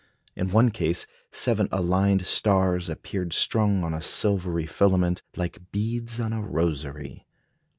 In one case seven aligned stars appeared strung on a silvery filament, "like beads on a rosary."